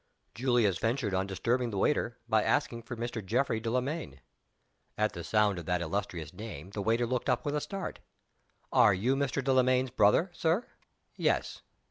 Julius ventured on disturbing the waiter by asking for Mr. Geoffrey Delamayn. At the sound of that illustrious name the waiter looked up with a start. "Are you Mr. Delamayn's brother, Sir?" "Yes."